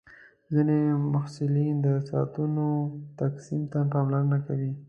ځینې محصلین د ساعتونو تقسیم ته پاملرنه کوي.